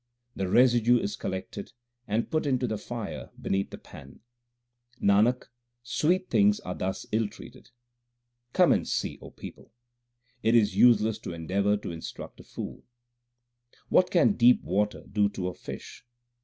The residue is collected and put into the fire beneath the pan. Nanak, sweet things are thus ill treated ; come and see, O people. It is useless to endeavour to instruct a fool : What can deep water do to a fish